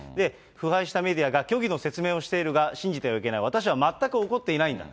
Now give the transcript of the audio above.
腐敗したメディアが虚偽の説明をしているが信じてはいけない、私は全く怒っていないんだ。